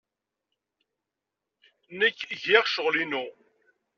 Nekk giɣ ccɣel-inu.